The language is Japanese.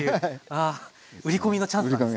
あ売り込みのチャンスなんですね。